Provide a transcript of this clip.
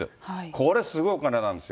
これすごいお金なんですよ。